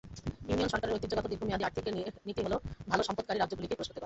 Union সরকারের ঐতিহ্যগত দীর্ঘমেয়াদী আর্থিক নীতি হ'ল ভাল-সম্পাদনকারী রাজ্যগুলিকে পুরস্কৃত করা।